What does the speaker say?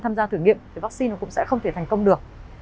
tham gia thử nghiệm thì vaccine cũng sẽ không thể thành công được